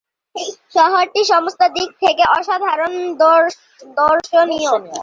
শহরটি সমস্ত দিক থেকে অসাধারণ দর্শনীয়।